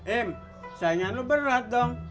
emang kamu berat dong